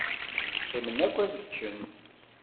Qqimen akk ad ččen.